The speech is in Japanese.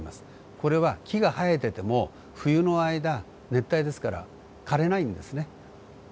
これは木が生えてても冬の間熱帯ですから枯れないんですね。